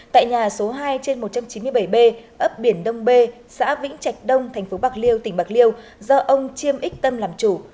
tại nhà số hai trên một trăm chín mươi bảy b ấp biển đông b xã vĩnh trạch đông thành phố bạc liêu tỉnh bạc liêu do ông chiêm ích tâm làm chủ